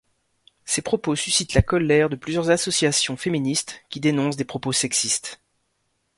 Ces propos suscitent la colère de plusieurs associations féministes qui dénoncent des propos sexistes.